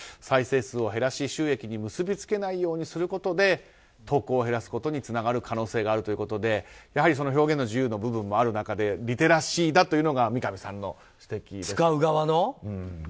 再生数を減らし収益に結び付けないようにすることで投稿を減らすことにつながる可能性があるということで表現の自由の部分もある中でリテラシーだというのが三上さんの指摘です。